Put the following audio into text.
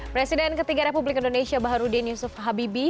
presiden ketiga republik indonesia baharudin yusuf habibi